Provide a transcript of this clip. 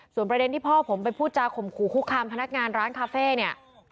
ประเด็นที่พ่อผมไปพูดจาข่มขู่คุกคามพนักงานร้านคาเฟ่เนี่ย